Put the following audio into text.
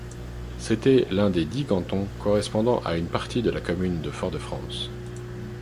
C'était l'un des dix cantons correspondant à une partie de la commune de Fort-de-France.